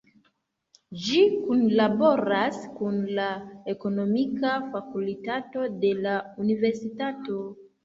Ĝi kunlaboras kun la ekonomika fakultato de la universitato.